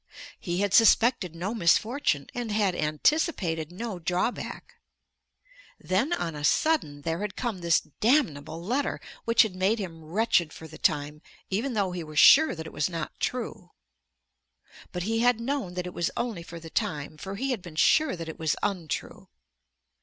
He had suspected no misfortune, and had anticipated no drawback. Then on a sudden there had come this damnable letter, which had made him wretched for the time, even though he were sure that it was not true. But he had known that it was only for the time, for he had been sure that it was untrue.